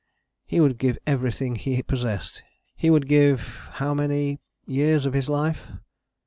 He would give everything he possessed: he would give how many years of his life.